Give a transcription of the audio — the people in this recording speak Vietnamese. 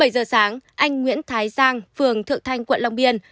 bảy giờ sáng anh nguyễn thái giang phường thượng thanh quận long biên